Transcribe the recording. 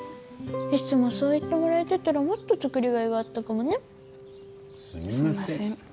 いつもそう言ってもらえてたらもっと作りがいがあったかもねすみません